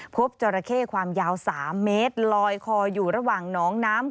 จราเข้ความยาว๓เมตรลอยคออยู่ระหว่างน้องน้ำ